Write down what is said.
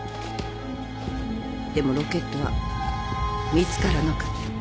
でもロケットは見つからなかった。